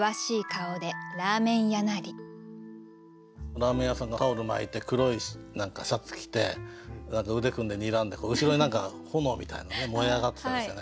ラーメン屋さんがタオル巻いて黒いシャツ着て腕組んでにらんでこう後ろに何か炎みたいなね燃え上がってたりしてね。